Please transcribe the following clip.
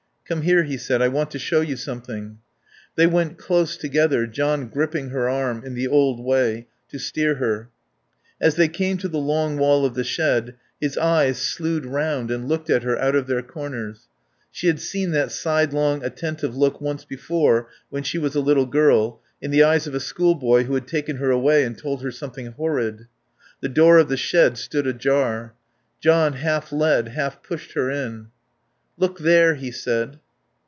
"Come here," he said. "I want to show you something." They went close together, John gripping her arm, in the old way, to steer her. As they came to the long wall of the shed his eyes slewed round and looked at her out of their corners. She had seen that sidelong, attentive look once before, when she was a little girl, in the eyes of a schoolboy who had taken her away and told her something horrid. The door of the shed stood ajar. John half led, half pushed her in. "Look there " he said.